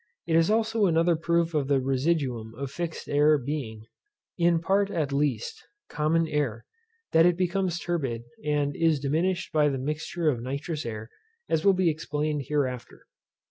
It is also another proof of the residuum of fixed air being, in part at least, common air, that it becomes turbid, and is diminished by the mixture of nitrous air, as will be explained hereafter.